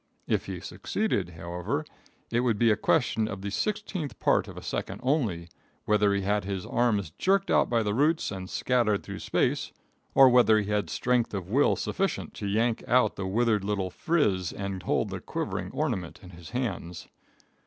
If he succeeded, however, it would be a question of the sixteenth part of a second only, whether he had his arms jerked out by the roots and scattered through space or whether he had strength of will sufficient to yank out the withered little frizz and told the quivering ornament in his hands.